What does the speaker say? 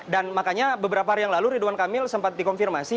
dan makanya beberapa hari yang lalu ridwan kamil sempat dikonfirmasi